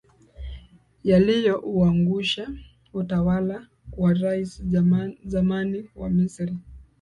yaliyo uangusha utawala wa rais zamani wa misri